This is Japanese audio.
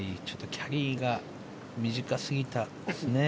キャリーが短すぎたんですね。